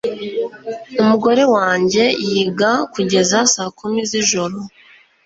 Umugore wanjye yiga kugeza saa kumi z'ijoro.